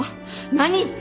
何言って。